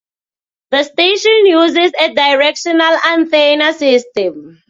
The station uses a directional antenna system.